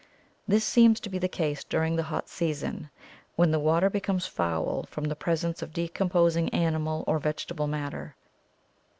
This seems to be the case during the hot season, when the water becomes foul from the presence of decom posing animal or vegetable matter.